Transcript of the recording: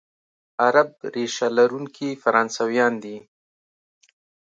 عرب ریشه لرونکي فرانسویان دي،